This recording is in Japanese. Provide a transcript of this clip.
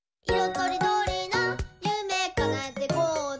とりどりなゆめかなえてこうぜ！」